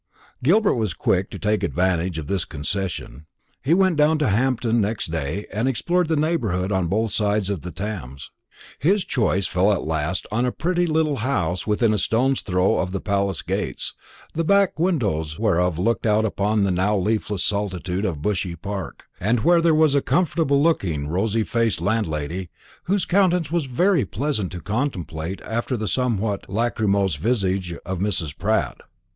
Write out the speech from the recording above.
Gilbert was quick to take advantage of this concession. He went down to Hampton next day, and explored the neighbourhood on both sides of the Thames. His choice fell at last on a pretty little house within a stone's throw of the Palace gates, the back windows whereof looked out upon the now leafless solitude of Bushy Park, and where there was a comfortable looking rosy faced landlady, whose countenance was very pleasant to contemplate after the somewhat lachrymose visage of Mrs. Pratt.